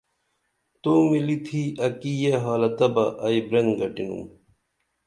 تو ملی تھی اکی یہ حالتہ بہ ائی برین گٹِنُم